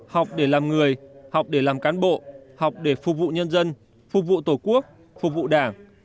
học để làm người học để làm cán bộ học để phục vụ nhân dân phục vụ tổ quốc phục vụ đảng